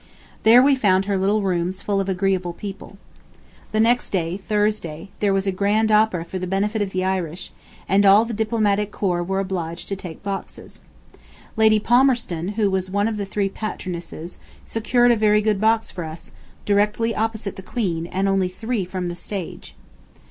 There we found her little rooms full of agreeable people. ... The next day, Thursday, there was a grand opera for the benefit of the Irish, and all the Diplomatic Corps were obliged to take boxes. Lady Palmerston, who was one of the three patronesses, secured a very good box for us, directly opposite the Queen, and only three from the stage.